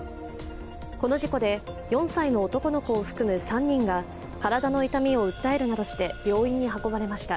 この事故で４歳の男の子を含む３人が体の痛みを訴えるなどして病院に運ばれました。